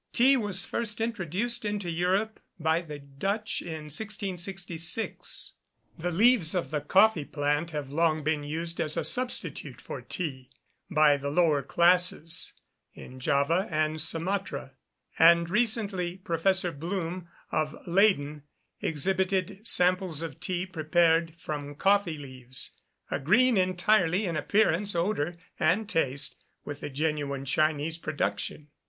Tea was first introduced into Europe by the Dutch in 1666. The leaves of the coffee plant have long been used as a substitute for tea, by the lower classes in Java and Sumatra; and recently, Professor Blume, of Leyden, exhibited samples of tea prepared from coffee leaves, agreeing entirely in appearance, odour, and taste, with the genuine Chinese production.